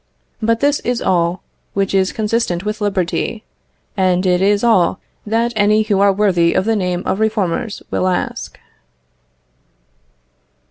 But this is all which is consistent with liberty, and it is all that any who are worthy of the name of reformers will ask.